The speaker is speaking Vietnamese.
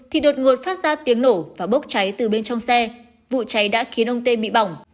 thì đột ngột phát ra tiếng nổ và bốc cháy từ bên trong xe vụ cháy đã khiến ông tê bị bỏng